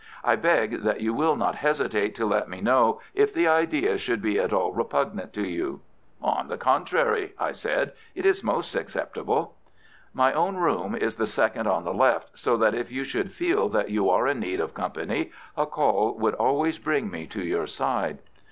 I beg that you will not hesitate to let me know if the idea should be at all repugnant to you." "On the contrary," I said, "it is most acceptable." "My own room is the second on the left, so that if you should feel that you are in need of company a call would always bring me to your side."